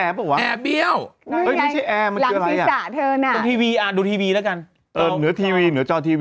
อ๋อนางใช้แอพพลิเคชันเดียวกับเอสุปเตอร์ชาย